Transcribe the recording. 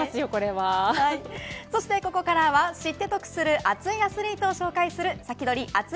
そしてここからは、知って得する熱いアスリートを紹介するサキドリ！